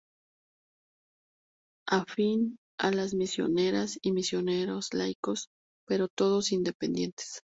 Afín a las misioneras y misioneros laicos, pero todos independientes.